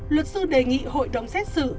luật sư đề nghị hội đồng xét xử